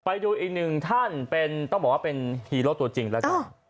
ไปดูอีกหนึ่งท่านเป็นต้องบอกว่าเป็นฮีโร่ตัวจริงแล้วกัน